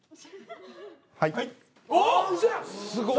はい。